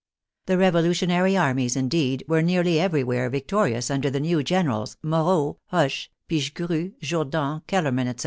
The revolutionary armies, indeed, were nearly everywhere victorious under the new generals, Moreau, Hoche, Pichegru, Jourdan, Kellerman, etc.